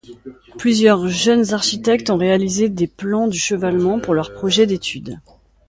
Plusieurs jeunes architectes ont réalisé des plans du chevalement pour leur projet d'études.